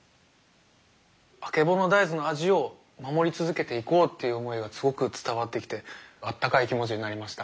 あけぼの大豆の味を守り続けていこうっていう思いがすごく伝わってきてあったかい気持ちになりました。